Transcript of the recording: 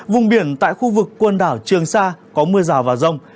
vùng biển tại khu vực quần đảo trường sa có mưa rào và rông